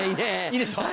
いいでしょう？